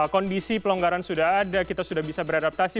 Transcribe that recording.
kondisi pelonggaran sudah ada kita sudah bisa beradaptasi